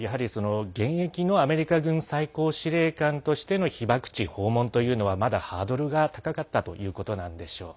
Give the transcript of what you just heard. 現役のアメリカ軍最高司令官としての被爆地訪問はまだハードルが高かったということなんでしょう。